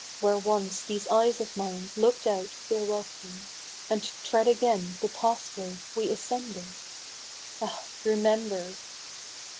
Where once these eyes of mine look'd out their wel come, And tread again the pathway we ascended, Ah ! remember